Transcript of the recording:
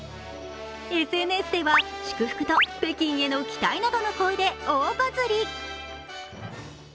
ＳＮＳでは、祝福と北京への期待などの声で大バズり。